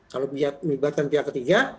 kalau melibatkan pihak ketiga